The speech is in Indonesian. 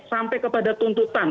sampai kepada tuntutan